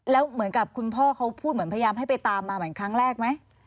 แล้วเหมือนกับคุณพ่อเขาพูดเหมือนพยายามให้ไปตามมาเหมือนครั้งแรกไหม